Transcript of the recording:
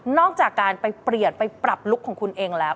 จากการไปเปลี่ยนไปปรับลุคของคุณเองแล้ว